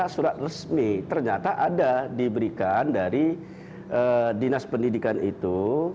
karena surat resmi ternyata ada diberikan dari dinas pendidikan itu